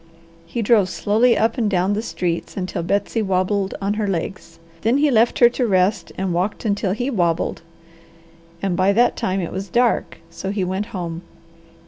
He drove slowly up and down the streets until Betsy wabbled on her legs. Then he left her to rest and walked until he wabbled; and by that time it was dark, so he went home.